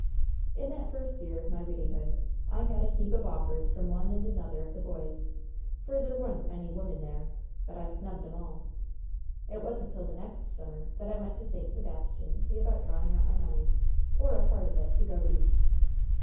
"In that first year of my widdyhood, I had a heap of offers from one and another of the boys, for there wa'n't many wimmin there; but I snubbed 'em all. "It wasn't till the next summer that I went to St. Sebastian to see about drawing out my money, or a part of it, to go East.